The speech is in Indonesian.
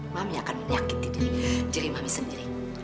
mami akan menyakiti diri diri mami sendiri